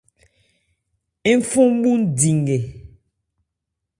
Ń fɔn bhú di nkɛ.